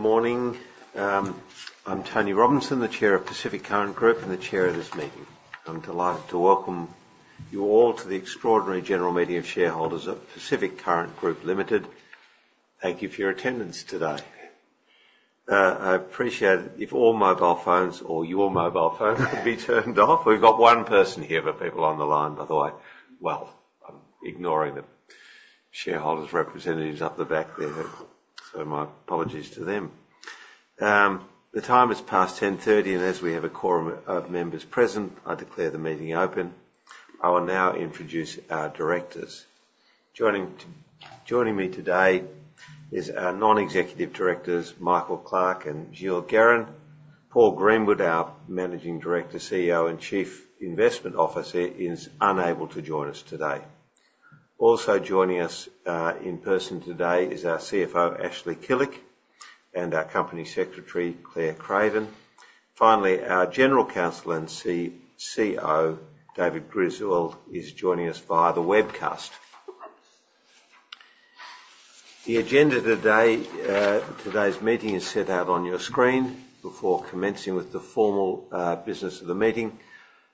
Good morning. I'm Tony Robinson, the chair of Pacific Current Group and the chair of this meeting. I'm delighted to welcome you all to the extraordinary general meeting of shareholders of Pacific Current Group Limited. Thank you for your attendance today. I appreciate if all mobile phones or your mobile phones could be turned off. We've got one person here, but people on the line. By the way, well, I'm ignoring the shareholders' representatives up the back there, so my apologies to them. The time has passed 10:30 A.M., and as we have a quorum of members present, I declare the meeting open. I will now introduce our directors. Joining me today is our Non-executive Directors, Michael Clarke and Gilles Guérin. Paul Greenwood, our Managing Director, CEO, and Chief Investment Officer, is unable to join us today. Also joining us, in person today is our CFO, Ashley Killick, and our Company Secretary, Clare Craven. Finally, our General Counsel and CCO, David Griswold, is joining us via the webcast. The agenda today, today's meeting is set out on your screen. Before commencing with the formal business of the meeting,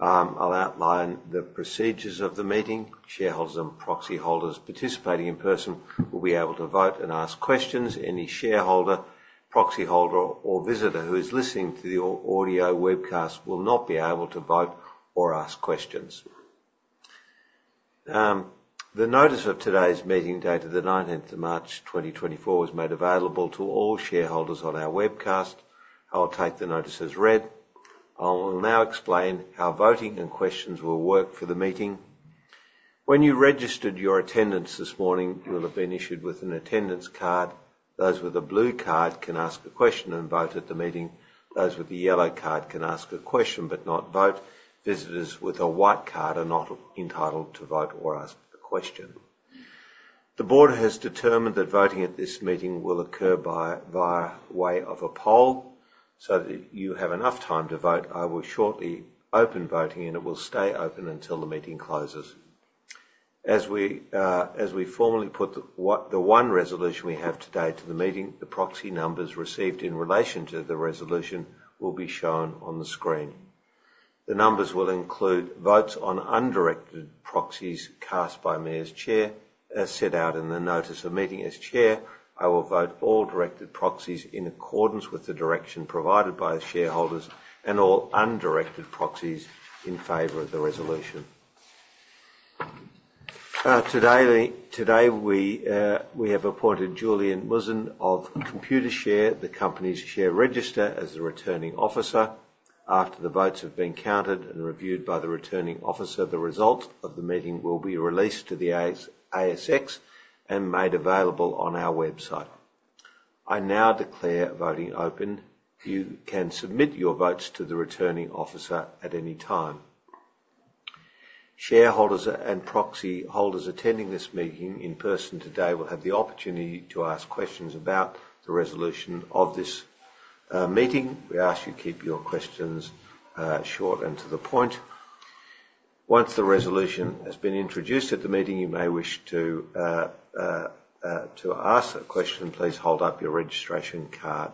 I'll outline the procedures of the meeting. Shareholders and proxy holders participating in person will be able to vote and ask questions. Any shareholder, proxy holder, or visitor who is listening to the audio webcast will not be able to vote or ask questions. The notice of today's meeting dated the 19th of March, 2024, was made available to all shareholders on our webcast. I will take the notice as read. I will now explain how voting and questions will work for the meeting. When you registered your attendance this morning, you will have been issued with an attendance card. Those with a blue card can ask a question and vote at the meeting. Those with the yellow card can ask a question but not vote. Visitors with a white card are not entitled to vote or ask a question. The board has determined that voting at this meeting will occur by way of a poll. So that you have enough time to vote, I will shortly open voting, and it will stay open until the meeting closes. As we, as we formally put the one resolution we have today to the meeting, the proxy numbers received in relation to the resolution will be shown on the screen. The numbers will include votes on undirected proxies cast by the Chair, as set out in the notice of meeting. As Chair, I will vote all directed proxies in accordance with the direction provided by the shareholders and all undirected proxies in favor of the resolution. Today we have appointed Julian Muzzin of Computershare, the company's share registrar, as the returning officer. After the votes have been counted and reviewed by the returning officer, the results of the meeting will be released to the ASX and made available on our website. I now declare voting open. You can submit your votes to the returning officer at any time. Shareholders and proxy holders attending this meeting in person today will have the opportunity to ask questions about the resolution of this meeting. We ask you to keep your questions short and to the point. Once the resolution has been introduced at the meeting, you may wish to ask a question. Please hold up your registration card.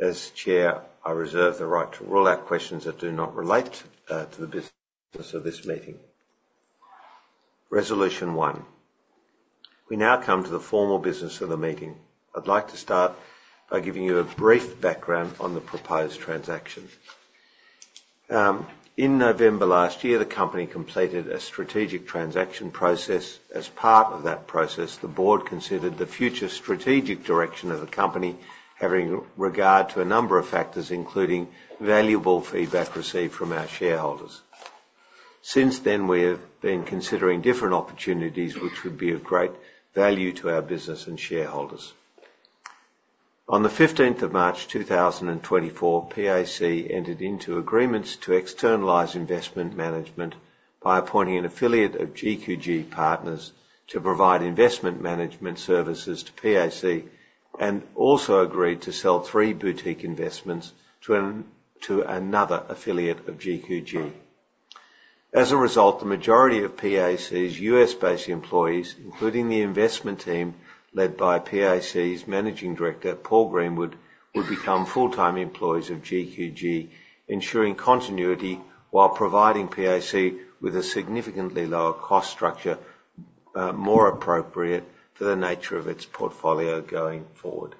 As Chair, I reserve the right to rule out questions that do not relate to the business of this meeting. Resolution one. We now come to the formal business of the meeting. I'd like to start by giving you a brief background on the proposed transaction. In November last year, the company completed a strategic transaction process. As part of that process, the board considered the future strategic direction of the company having regard to a number of factors, including valuable feedback received from our shareholders. Since then, we have been considering different opportunities, which would be of great value to our business and shareholders. On the 15th of March, 2024, PAC entered into agreements to externalize investment management by appointing an affiliate of GQG Partners to provide investment management services to PAC and also agreed to sell three boutique investments to and to another affiliate of GQG. As a result, the majority of PAC's US-based employees, including the investment team led by PAC's managing director, Paul Greenwood, would become full-time employees of GQG, ensuring continuity while providing PAC with a significantly lower cost structure, more appropriate for the nature of its portfolio going forward.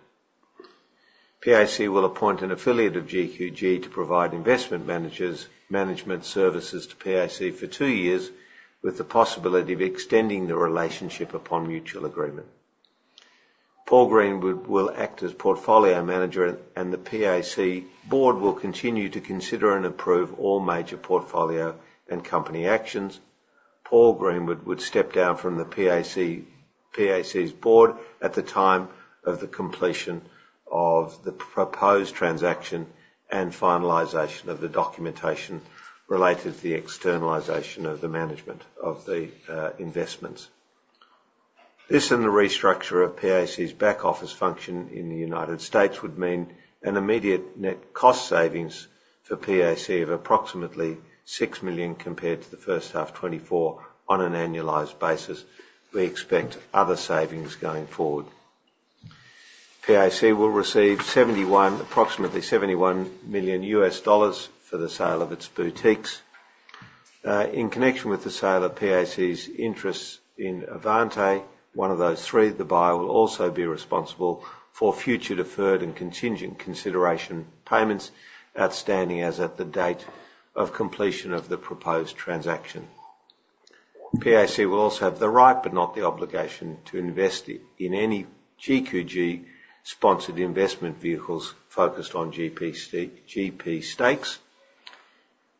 PAC will appoint an affiliate of GQG to provide investment managers' management services to PAC for two years, with the possibility of extending the relationship upon mutual agreement. Paul Greenwood will act as portfolio manager, and the PAC board will continue to consider and approve all major portfolio and company actions. Paul Greenwood would step down from the PAC's board at the time of the completion of the proposed transaction and finalization of the documentation related to the externalization of the management of the investments. This and the restructure of PAC's back office function in the United States would mean an immediate net cost savings for PAC of approximately 6 million compared to the first half 2024 on an annualized basis. We expect other savings going forward. PAC will receive approximately $71 million for the sale of its boutiques. In connection with the sale of PAC's interests in Avante, one of those three, the buyer will also be responsible for future deferred and contingent consideration payments outstanding as at the date of completion of the proposed transaction. PAC will also have the right but not the obligation to invest in any GQG-sponsored investment vehicles focused on GP stakes.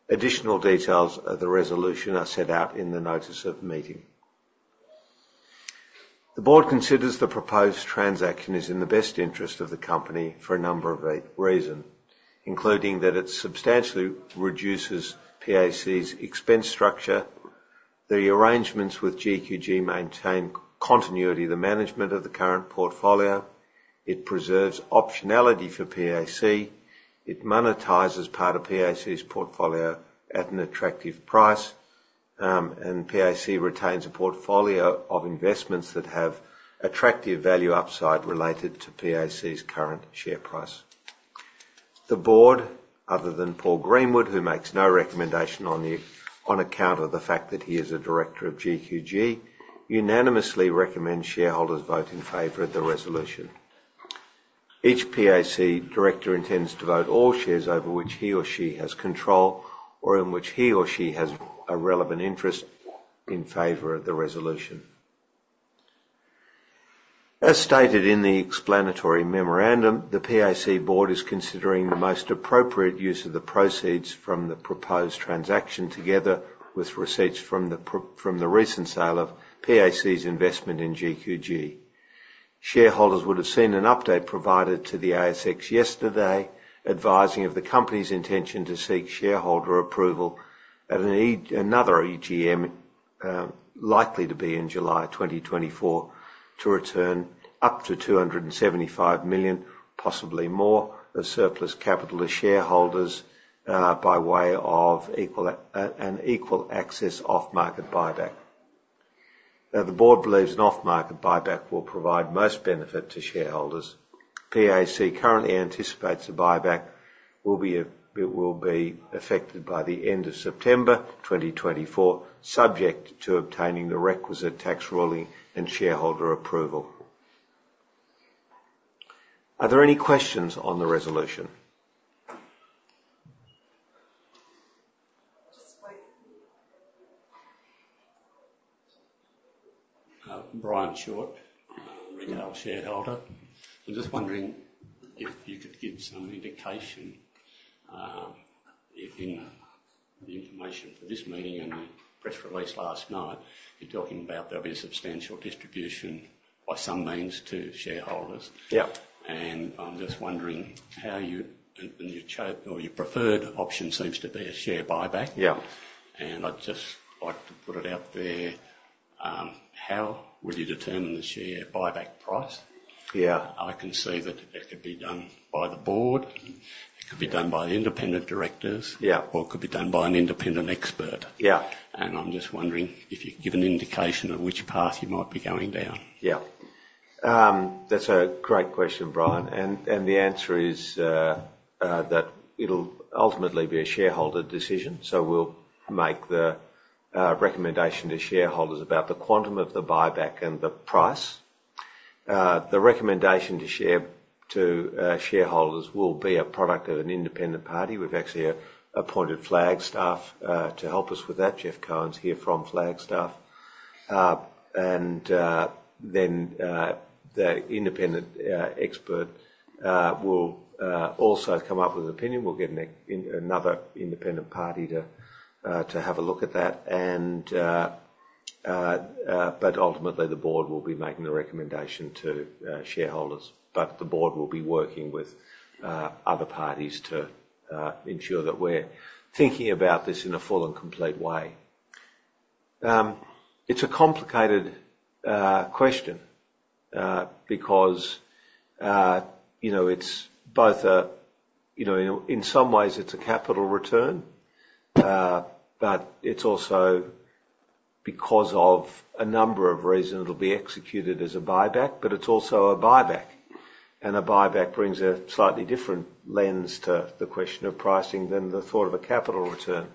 Additional details of the resolution are set out in the notice of meeting. The board considers the proposed transaction is in the best interest of the company for a number of reasons, including that it substantially reduces PAC's expense structure. The arrangements with GQG maintain continuity of the management of the current portfolio. It preserves optionality for PAC. It monetizes part of PAC's portfolio at an attractive price, and PAC retains a portfolio of investments that have attractive value upside related to PAC's current share price. The board, other than Paul Greenwood, who makes no recommendation on account of the fact that he is a director of GQG, unanimously recommends shareholders vote in favor of the resolution. Each PAC director intends to vote all shares over which he or she has control or in which he or she has a relevant interest in favor of the resolution. As stated in the explanatory memorandum, the PAC board is considering the most appropriate use of the proceeds from the proposed transaction together with receipts from the recent sale of PAC's investment in GQG. Shareholders would have seen an update provided to the ASX yesterday advising of the company's intention to seek shareholder approval at an EGM, likely to be in July 2024, to return up to 275 million, possibly more, of surplus capital to shareholders, by way of equal access off-market buyback. The board believes an off-market buyback will provide most benefit to shareholders. PAC currently anticipates the buyback will be affected by the end of September 2024, subject to obtaining the requisite tax ruling and shareholder approval. Are there any questions on the resolution? Just wait. Brian Short, retail shareholder. I'm just wondering if you could give some indication, if in the information for this meeting and the press release last night, you're talking about there'll be a substantial distribution by some means to shareholders? Yeah. I'm just wondering how you and your choice or your preferred option seems to be a share buyback. Yeah. I'd just like to put it out there. How will you determine the share buyback price? Yeah. I can see that that could be done by the Board. It could be done by the independent directors. Yeah. Or it could be done by an independent expert. Yeah. I'm just wondering if you could give an indication of which path you might be going down? Yeah. That's a great question, Brian. And the answer is that it'll ultimately be a shareholder decision. So we'll make the recommendation to shareholders about the quantum of the buyback and the price. The recommendation to shareholders will be a product of an independent party. We've actually appointed Flagstaff to help us with that. Geoff Cohen's here from Flagstaff. Then the independent expert will also come up with an opinion. We'll get another independent party to have a look at that. But ultimately, the board will be making the recommendation to shareholders. But the board will be working with other parties to ensure that we're thinking about this in a full and complete way. It's a complicated question, because you know, it's both a, you know, in some ways, it's a capital return. But it's also because of a number of reasons, it'll be executed as a buyback. But it's also a buyback. And a buyback brings a slightly different lens to the question of pricing than the thought of a capital return.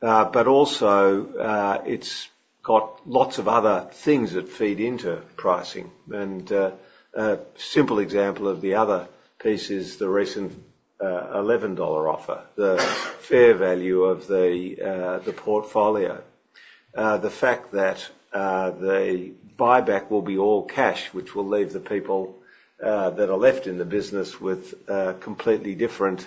But also, it's got lots of other things that feed into pricing. And a simple example of the other piece is the recent $11 offer, the fair value of the portfolio. The fact that the buyback will be all cash, which will leave the people that are left in the business with completely different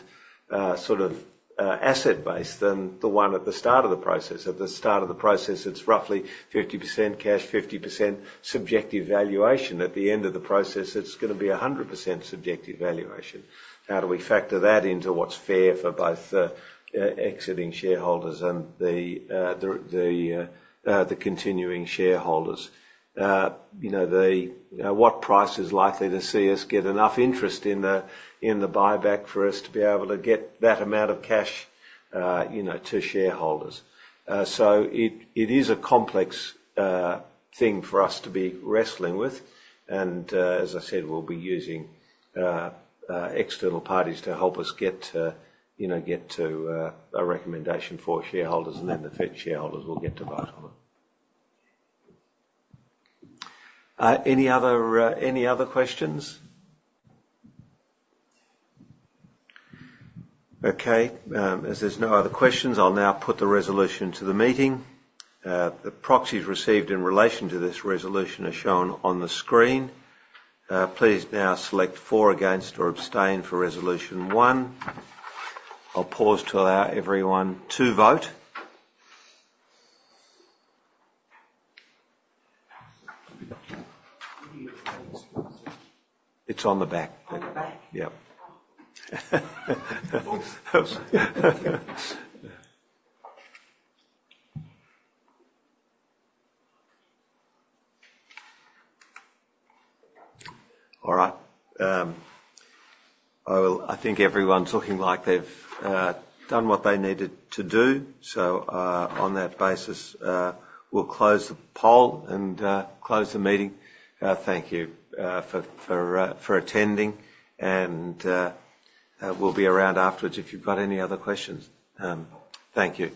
sort of asset base than the one at the start of the process. At the start of the process, it's roughly 50% cash, 50% subjective valuation. At the end of the process, it's gonna be 100% subjective valuation. How do we factor that into what's fair for both the exiting shareholders and the continuing shareholders? You know, what price is likely to see us get enough interest in the buyback for us to be able to get that amount of cash, you know, to shareholders? So it is a complex thing for us to be wrestling with. And as I said, we'll be using external parties to help us get, you know, to a recommendation for shareholders. And then the remaining shareholders will get to vote on it. Any other questions? Okay. As there's no other questions, I'll now put the resolution to the meeting. The proxies received in relation to this resolution are shown on the screen. Please now select for, against, or abstain for resolution one. I'll pause to allow everyone to vote. It's on the back. On the back? Yeah. All right. I think everyone's looking like they've done what they needed to do. So, on that basis, we'll close the poll and close the meeting. Thank you for attending. And we'll be around afterwards if you've got any other questions. Thank you.